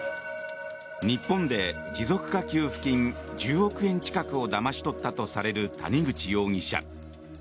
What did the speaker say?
日本で持続化給付金１０億円近くをだまし取ったとされる谷口容疑者。